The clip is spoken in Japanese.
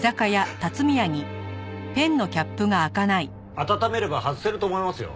温めれば外せると思いますよ。